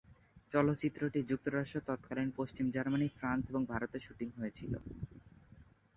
চলচ্চিত্রটি যুক্তরাষ্ট্র, তৎকালীন পশ্চিম জার্মানি, ফ্রান্স এবং ভারতে শুটিং হয়েছিল।